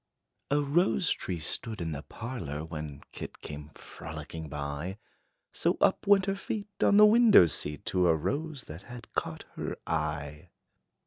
A rose tree stood in the parlor, When kit came frolicking by; So up went her feet on the window seat, To a rose, that had caught her eye.